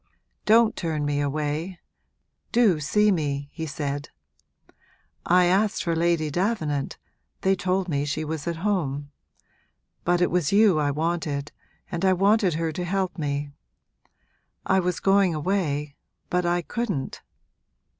'Don't turn me away; do see me do see me!' he said. 'I asked for Lady Davenant they told me she was at home. But it was you I wanted, and I wanted her to help me. I was going away but I couldn't.